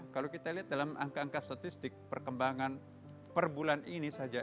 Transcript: kalau kita lihat dalam angka angka statistik perkembangan per bulan ini saja